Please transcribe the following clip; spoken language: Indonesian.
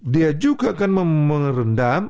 dia juga akan mengerendam